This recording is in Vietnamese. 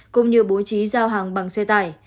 cũng như bố trí giao hàng bằng xe tải